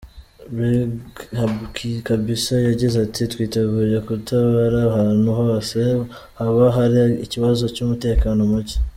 Brig Kabisa yagize ati "Twiteguye gutabara ahantu hose haba hari ikibazo cy’umutekano muke.